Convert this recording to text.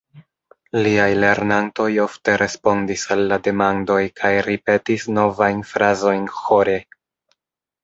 Liaj lernantoj ofte respondis al la demandoj kaj ripetis novajn frazojn ĥore.